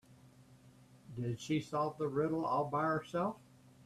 Did she solve the riddle all by herself?